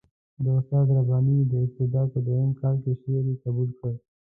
د استاد رباني د اقتدار په دویم کال کې شعر یې قبول کړ.